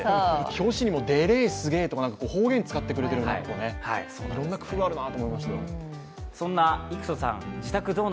表紙にもでーれーすげえ！って方言使ってくれてていろんな工夫があるなと思いました。